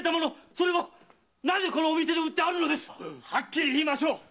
それをなぜこのお店で売ってあるのです⁉はっきり言いましょう！